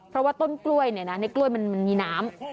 เพราะว่าต้นกล้วยในกล้วยมันมีน้ำ